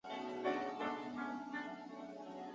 中国大陆各地均产。